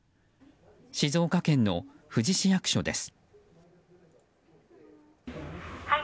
静岡県の富士市役所です。